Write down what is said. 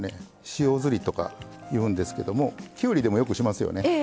塩ずりとかいうんですけどもきゅうりでもよくしますよね。